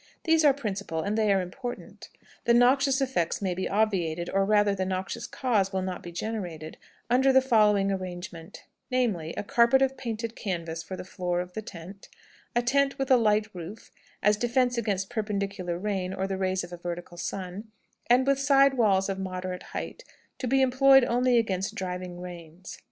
These are principal, and they are important. The noxious effects may be obviated, or rather the noxious cause will not be generated, under the following arrangement, namely, a carpet of painted canvas for the floor of the tent; a tent with a light roof, as defense against perpendicular rain or the rays of a vertical sun; and with side walls of moderate height, to be employed only against driving rains.